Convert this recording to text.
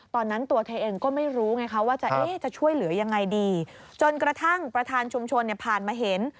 ตอนนั้นตัวเธอเองก็ไม่รู้ไงคะว่าจะช่วยเหลือยังไงดีจนกระทั่งประธานชุมชนเนี่ยผ่านมาเห็น